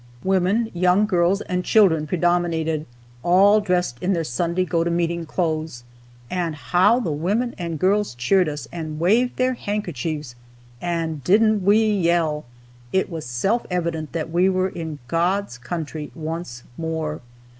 Women, young girls, and children predominated, all dressed in their "Sunday go to meeting" clothes. And how the women and girls cheered us, and waved their handkerchiefs! And didn't we yell! It was self evident that we were in "God's Country" once more.